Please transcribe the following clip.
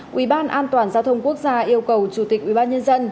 quỹ ban an toàn giao thông quốc gia yêu cầu chủ tịch quỹ ban nhân dân